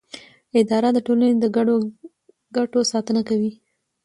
اداره د ټولنې د ګډو ګټو ساتنه کوي.